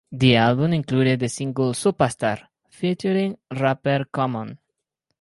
The album included the single "Supastar" featuring rapper Common.